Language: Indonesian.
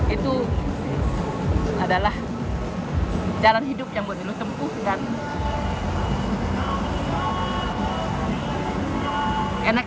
itu adalah jalan hidup yang mbok milo tempuh dengan enak